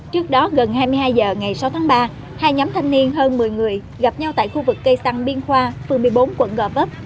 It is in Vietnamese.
trước đó gần hai mươi hai h ngày sáu tháng ba hai nhóm thanh niên hơn một mươi người gặp nhau tại khu vực cây xăng biên khoa phường một mươi bốn quận gò vấp